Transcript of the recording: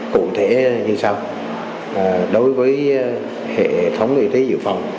cụ thể như sau đối với hệ thống y tế dự phòng